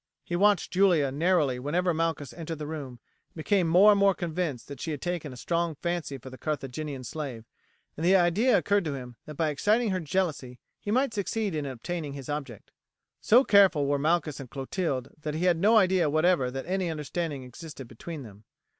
He watched Julia narrowly whenever Malchus entered the room, and became more and more convinced that she had taken a strong fancy for the Carthaginian slave, and the idea occurred to him that by exciting her jealousy he might succeed in obtaining his object. So careful were Malchus and Clotilde that he had no idea whatever that any understanding existed between them.